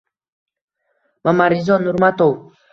Mamarizo Nurmuratov: